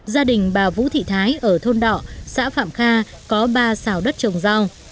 gia đình bà vũ thị thái ở thôn đọ xã phạm kha có ba xào đất trồng rau